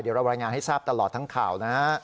เดี๋ยวเรารายงานให้ทราบตลอดทั้งข่าวนะฮะ